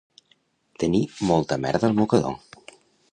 Tenir molta merda al mocador